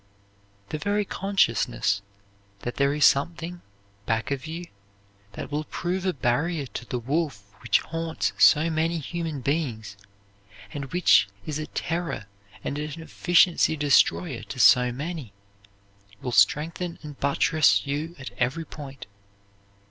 The very consciousness that there is something back of you that will prove a barrier to the wolf which haunts so many human beings, and which is a terror and an efficiency destroyer to so many, will strengthen and buttress you at every point.